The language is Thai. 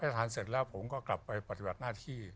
ทานเสร็จแล้วผมก็กลับไปปฏิบัติหน้าที่